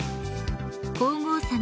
皇后さま